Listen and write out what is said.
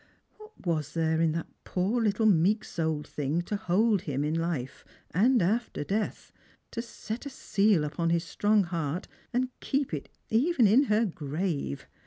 What was there in that poor little meek souled thing to hold him in life, and after death — to set a seal upon his strong heart, and keep it even ip, hor gruye